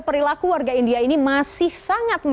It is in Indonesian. perlaku warga india ini masih sangat meremeh